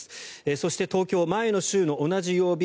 そして東京、前の週の同じ曜日